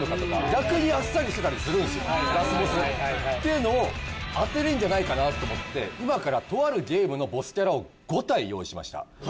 逆にあっさりしてたりするんですよラスボス。っていうのを当てられるんじゃないかなと思って今からとあるゲームのボスキャラを５体用意しました。